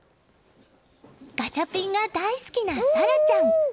ガチャピンが大好きな紗空ちゃん。